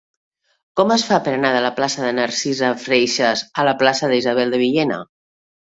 Com es fa per anar de la plaça de Narcisa Freixas a la plaça d'Isabel de Villena?